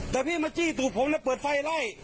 แต่พี่มาจี้ตูดผมแล้วเปิดไฟไล่